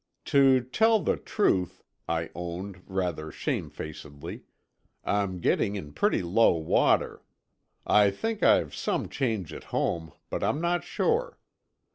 "To tell the truth," I owned, rather shamefacedly, "I'm getting in pretty low water. I think I've some change at home, but I'm not sure.